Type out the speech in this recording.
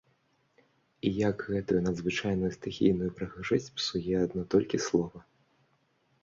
І як гэтую надзвычайную стыхійную прыгажосць псуе адно толькі слова!